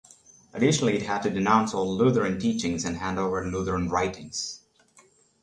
Additionally, it had to denounce all Lutheran teachings and hand over Lutheran writings.